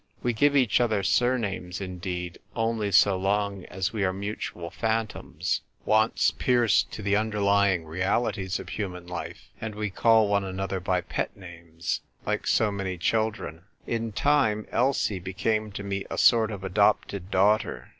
We give each otl.^r surnames, indeed, only so long as we are mutual phantoms ; once pierce to the under lying realities of human life, and we call one another by pet names, like so many children. FRESH LFJIIT ON ROMEO. 159 In time Elsie became to me a sort of adopted daughter.